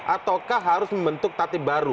ataukah harus membentuk tatip baru